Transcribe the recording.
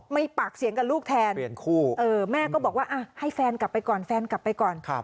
มีปากเสียงกับลูกแทนคู่แม่ก็บอกว่าให้แฟนกลับไปก่อนแฟนกลับไปก่อน